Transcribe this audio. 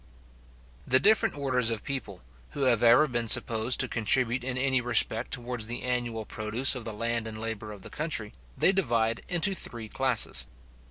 The different orders of people, who have ever been supposed to contribute in any respect towards the annual produce of the land and labour of the country, they divide into three classes.